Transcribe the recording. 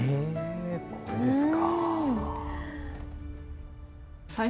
これですか。